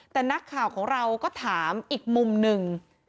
แต่นักข่าวของเราก็ถามอีกมุมหนึ่ง